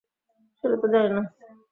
সেটা তো জানি না।